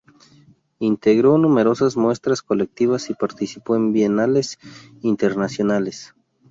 Integró numerosas muestras colectivas y participó en bienales internacionales.